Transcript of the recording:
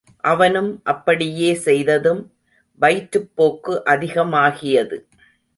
அவனும் அப்படியே செய்ததும் வயிற்றுப்போக்கு அதிகமாகியது.